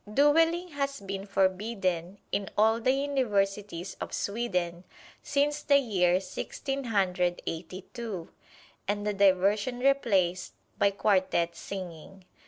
Dueling has been forbidden in all the universities of Sweden since the year Sixteen Hundred Eighty two, and the diversion replaced by quartet singing.